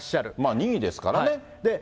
任意ですからね。